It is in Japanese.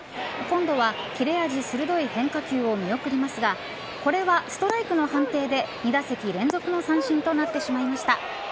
今度は切れ味鋭い変化球を見送りますがこれはストライクの判定で２打席連続の三振となってしまいました。